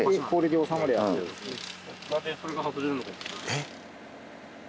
えっ？